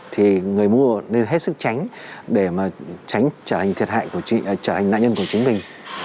thì người mua nên hết sức tránh để mà tránh trở thành nạn nhân của chính mình